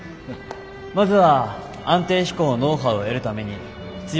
まずは安定飛行のノウハウを得るために必要